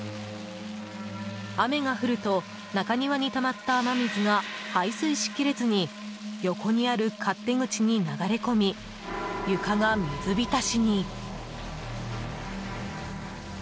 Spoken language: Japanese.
雨が降ると中庭にたまった雨水が排水しきれずに横にある勝手口に流れ込み床が水浸しに。